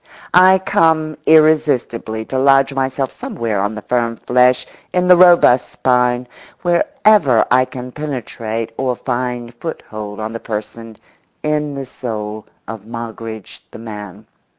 I come irresistibly to lodge myself somewhere on the firm flesh, in the robust spine, wherever I can penetrate or find foothold on the person, in the soul, of Moggridge the man.